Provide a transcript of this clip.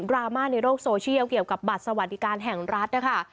รามาในโลกโซเชียลเกี่ยวกับบัตรสวัสดิการแห่งรัฐนะคะ